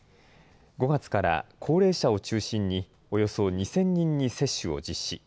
５月から高齢者を中心に、およそ２０００人に接種を実施。